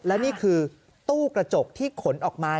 และนี่คือตู้กระจกที่ขนออกมา